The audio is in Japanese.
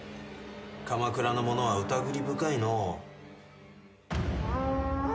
鎌暗の者はうたぐり深いのう。